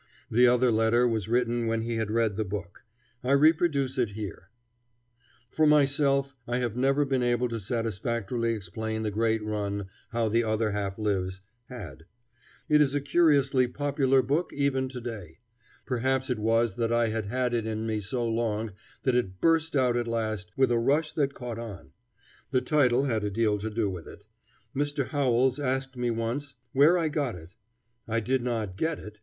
The other letter was written when he had read the book. I reproduce it here. [Illustration: Mr. Lowell's Letter.] For myself I have never been able to satisfactorily explain the great run "How the Other Half Lives" had. It is a curiously popular book even to day. Perhaps it was that I had had it in me so long that it burst out at last with a rush that caught on. The title had a deal to do with it. Mr. Howells asked me once where I got it. I did not get it.